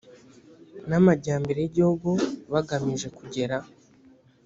n amajyambere y igihugu bagamije kugera